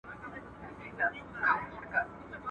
o سل کوډ گر، يو غيبتگر.